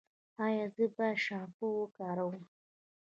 ایا زه باید شامپو وکاروم؟